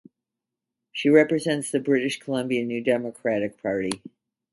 She represents the British Columbia New Democratic Party.